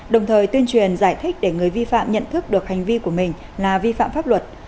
đồng thời tuyên truyền giải thích để người vi phạm nhận thức được hành vi của mình là vi phạm pháp luật